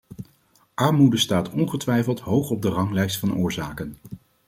Armoede staat ongetwijfeld hoog op de ranglijst van oorzaken.